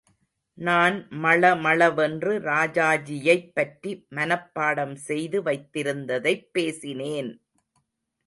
நான் மளமளவென்று ராஜாஜியைப் பற்றி மனப்பாடம் செய்து வைத்திருந்ததைப் பேசினேன்.